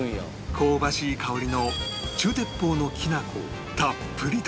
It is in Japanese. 香ばしい香りの中鉄砲のきなこをたっぷりと